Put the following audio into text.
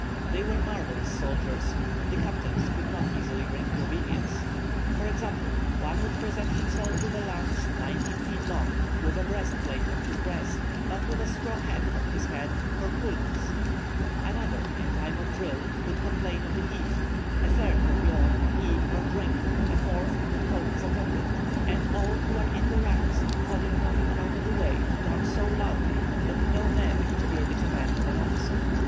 They were marvellous soldiers, whom the captains could not easily bring to obedience. For example, one would present himself with a lance nineteen feet long, with a breastplate on his breast, but with a straw hat on his head "for coolness;" another in time of drill would complain of the heat; a third would yawn, eat, or drink; a fourth would call his attendant; and all who were in the ranks thought it nothing out of the way to talk so loudly that no man could hear the command of an officer.